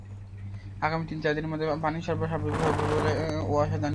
আগামী তিন-চার দিনের মধ্যে পানি সরবরাহ স্বাভাবিক হবে বলে ওয়াসা জানিয়েছে।